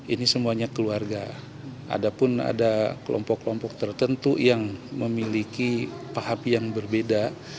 ini semuanya keluarga ada pun ada kelompok kelompok tertentu yang memiliki paham yang berbeda